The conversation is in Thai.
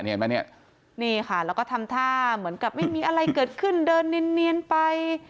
เห็นไหมเนี่ยนี่ค่ะแล้วก็ทำท่าเหมือนกับไม่มีอะไรเกิดขึ้นเดินเนียนไป